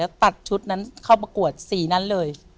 แล้วตัดชุดนั้นเข้าประกวดสีนั้นเลย